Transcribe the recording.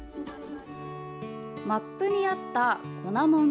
マップにあった粉もん